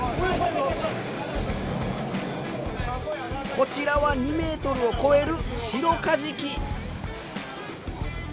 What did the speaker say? こちらは２メートルを超えるシロカジキ。